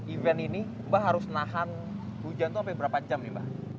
event ini mbak harus nahan hujan itu sampai berapa jam nih mbak